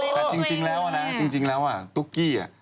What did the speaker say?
แต่จริงแล้วนะจริงแล้วตุ๊กกี้